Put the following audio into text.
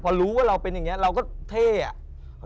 พอรู้ว่าเราเป็นอย่างนี้เราก็เท่อ่ะ